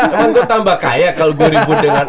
emang gue tambah kaya kalau gue ribut dengan